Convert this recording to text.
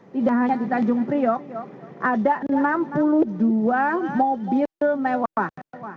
tidak hanya di tanjung priok ada enam puluh dua mobil mewah